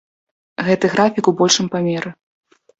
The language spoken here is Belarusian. Гэты графік у большым памеры.